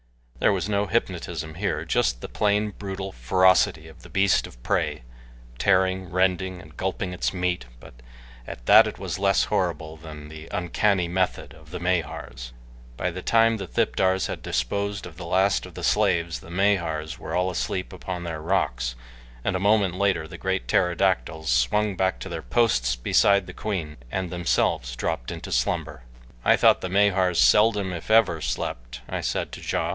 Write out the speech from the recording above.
There was no hypnotism here just the plain, brutal ferocity of the beast of prey, tearing, rending, and gulping its meat, but at that it was less horrible than the uncanny method of the Mahars. By the time the thipdars had disposed of the last of the slaves the Mahars were all asleep upon their rocks, and a moment later the great pterodactyls swung back to their posts beside the queen, and themselves dropped into slumber. "I thought the Mahars seldom, if ever, slept," I said to Ja.